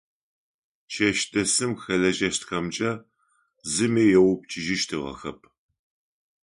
Чэщдэсым хэлэжьэщтхэмкӏэ зыми еупчӏыжьыщтыгъэхэп.